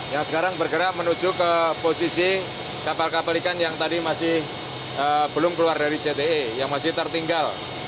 tiga ratus lima puluh enam yang sekarang bergerak menuju ke posisi kapal kapal ikan yang tadi masih belum keluar dari cte yang masih tertinggal